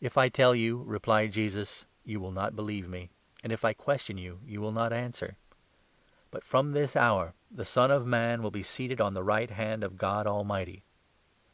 67 "If I tell you," replied Jesus, "you will not believe me; and, if I question you, you will not answer. But from this 68, ( hour ' the Son of Man will be seated on the right hand of God Almighty.'"